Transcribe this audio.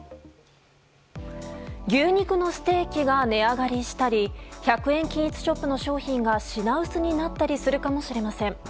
牛肉のステーキが値上がりしたり１００円均一ショップの商品が品薄になったりするかもしれません。